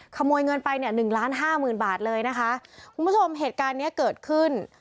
ขโมยเงินไปเนี่ยหนึ่งล้านห้าหมื่นบาทเลยนะคะคุณผู้ชมเหตุการณ์เนี้ยเกิดขึ้น